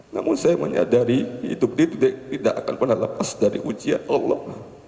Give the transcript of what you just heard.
namun saya menyadari hidup tidak akan pernah lepas dari ujian allah